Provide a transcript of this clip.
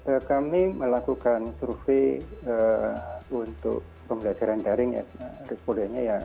ya kami melakukan survei untuk pembelajaran jaring